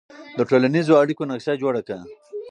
د ټولنیزو اړیکو نقشه جوړه کړه.